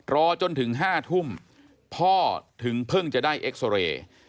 รอจนถึง๕ทุ่มพ่อถึงเพิ่งจะได้เอ็กซอเรย์